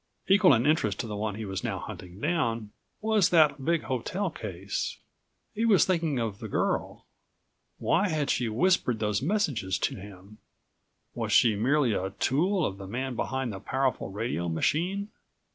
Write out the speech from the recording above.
Equal in interest to the one which he was now hunting down was that big hotel case. He was thinking of the girl. Why had she whispered those messages to him? Was she merely a tool of the man behind the powerful radio machine?